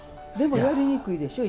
やりにくいでしょう？